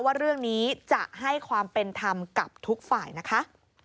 ว่าเรื่องนี้จะให้ความเป็นธรรมกับทุกฝ่ายนะคะ